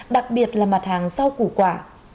đặc biệt là mặt hàng sau củ quả